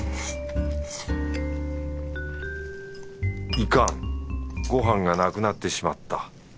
いかんご飯がなくなってしまった